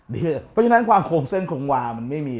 เพราะฉะนั้นความโครงเส้นคงวามันไม่มี